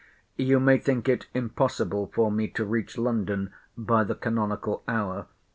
You may think it impossible for me to reach London by the canonical hour.